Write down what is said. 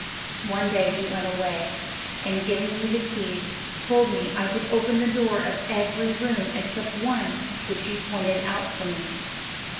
"'One day he went away, and giving me the keys, told me I could open the door of every room except one which he pointed out to me.